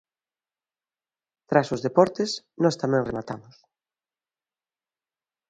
Tras os deportes, nós tamén rematamos.